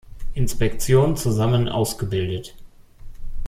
Inspektion zusammen ausgebildet.